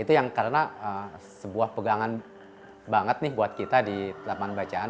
itu yang karena sebuah pegangan banget nih buat kita di lapangan bacaan